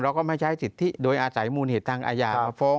เราก็ไม่ใช้สิทธิโดยอาจารย์มูลเหตุทางอาญา